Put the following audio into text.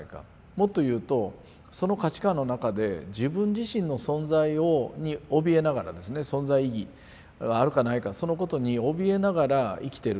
もっと言うとその価値観の中で自分自身の存在におびえながらですね存在意義があるかないかそのことにおびえながら生きてる。